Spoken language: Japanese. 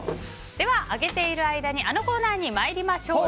では揚げている間にあのコーナーに参りましょう。